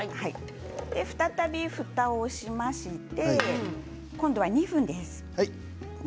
再びふたをしまして今度は２分です。